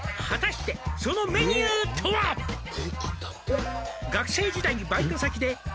「果たしてそのメニューとは？」「学生時代にバイト先で」